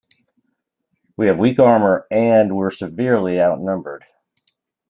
We have weak armor and we're severely outnumbered.